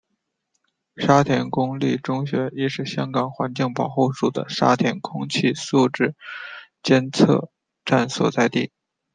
沙田官立中学亦是香港环境保护署的沙田空气质素监测站所在地。